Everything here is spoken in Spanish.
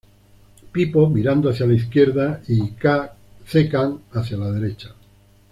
Pipo mirando hacia la izquierda y C-Kan hacia la derecha.